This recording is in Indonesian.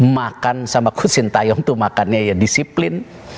makan sama kusintayong itu makannya ya disiplin